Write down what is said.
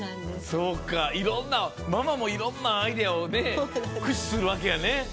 そうかいろんなママもいろんなアイデアをねくしするわけやね。